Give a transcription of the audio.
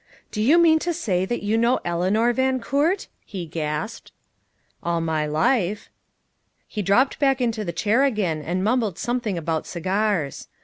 "Do you mean to say that you know Eleanor Van Coort?" he gasped. "All my life." He dropped back into the chair again and mumbled something about cigars.